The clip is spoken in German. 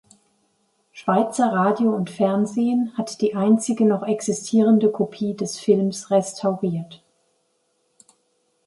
Schweizer Radio und Fernsehen hat die einzige noch existierende Kopie des Films restauriert.